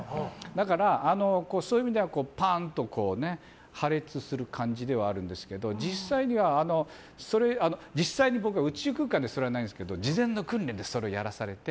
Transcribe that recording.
だからそういう意味ではパンと破裂する感じではあるんですけど実際に僕は宇宙空間でそれはないんですけど事前の訓練でそれをやらされて。